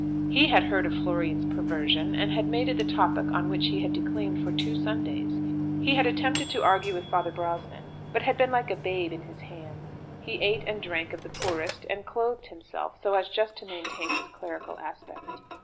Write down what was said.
He had heard of Florian's perversion, and had made it the topic on which he had declaimed for two Sundays. He had attempted to argue with Father Brosnan, but had been like a babe in his hands. He ate and drank of the poorest, and clothed himself so as just to maintain his clerical aspect.